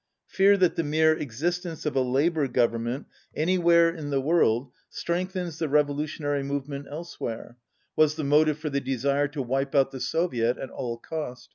Fear that the mere exis tence of a Labour Government anywhere in the 59 world strengthens the revolutionary movement elsewhere, was the motive for the desire to wipe out the Soviet at all cost.